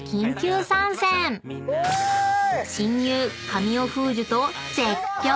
［親友神尾楓珠と］